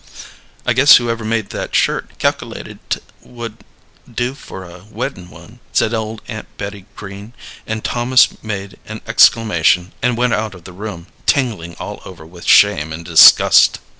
"I guess whoever made that shirt calkilated 't would do for a weddin' one," said old Aunt Betty Green, and Thomas made an exclamation and went out of the room, tingling all over with shame and disgust.